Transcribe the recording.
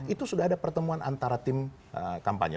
itu sudah ada pertemuan antara tim kampanye